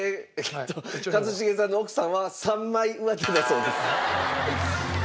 一茂さんの奥さんは三枚上手だそうです。